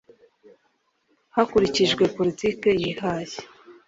Hakurikijwe politiki yihaye